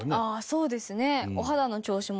そうですね。